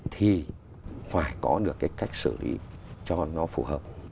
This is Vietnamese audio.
thì phải có được cái cách xử lý cho nó phù hợp